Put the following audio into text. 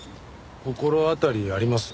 心当たりあります？